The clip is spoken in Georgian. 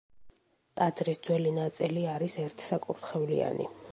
ტაძრის ძველი ნაწილი არის ერთსაკურთხევლიანი.